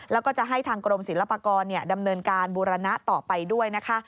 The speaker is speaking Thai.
แล้วก็จะให้ทางกรมศิลปากรดำเนินการบูรณะต่อไปด้วยนะคะ